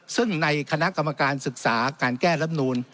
ซึ่งในคณะกรรมการศึกษาการแก้รับนูล